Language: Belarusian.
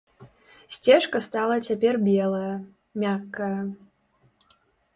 Сцежка стала цяпер белая, мяккая.